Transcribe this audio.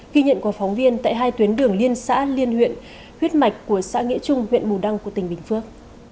ghi nhận của phóng viên tại hai tuyến đường liên xã liên huyện huyết mạch của xã nghĩa trung huyện bù đăng của tỉnh bình phước